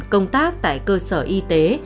công tác tại cơ sở y tế